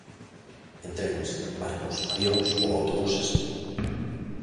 En trens, barcos, avións ou autobuses.